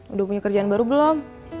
udah punya kerjaan baru belum